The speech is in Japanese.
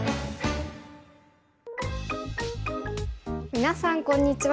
皆さんこんにちは。